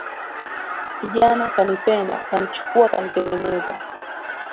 Kijana kanipenda, kanichukua kanitengeneza.